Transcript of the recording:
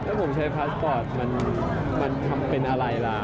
ถ้าผมใช้พาสปอร์ตมันทำเป็นอะไรล่ะ